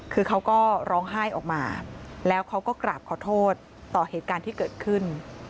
คือเขาก็ร้องไห้ออกมาแล้วเขาก็กราบขอโทษต่อเหตุการณ์ที่เกิดขึ้น